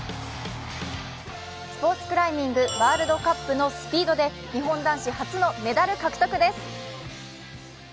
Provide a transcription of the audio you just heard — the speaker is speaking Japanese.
スポーツクライミングワールドカップのスピードで日本男子初のメダル獲得です。